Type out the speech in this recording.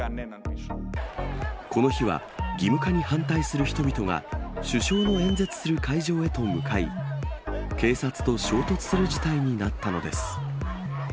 この日は義務化に反対する人々が首相の演説する会場へと向かい、警察と衝突する事態となったのです。